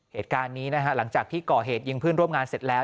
เหตุการณ์นี้นะฮะหลังจากที่ก่อเหตุยิงเพื่อนร่วมงานเสร็จแล้ว